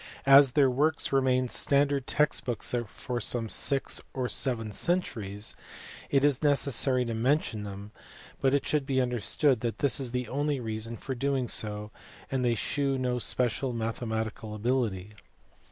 As their works remained standard text books for some six or seven centuries it is necessary to mention them, but it should be understood that this is the only reason for doing so and they shew no special mathematical ability.